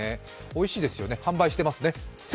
おいしいですよね、販売してますね。